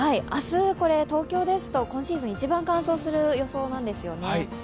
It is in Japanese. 明日、東京ですと今シーズン一番乾燥する予想なんですよね。